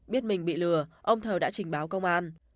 biết mình bị lừa ông thờ đã trình báo công an